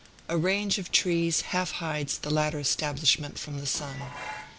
A range of trees half hides the latter establishment from the sun.